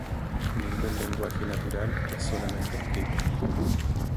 Ningún lenguaje natural es solamente escrito.